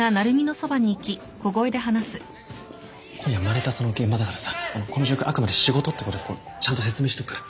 今夜まれいたその現場だからさこの状況あくまで仕事ってことでちゃんと説明しとくから。